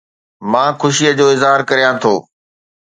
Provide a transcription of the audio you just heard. مان خوشي جو اظهار ڪريان ٿو